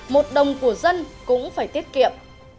một đồng của dân cũng phải tiết kiệm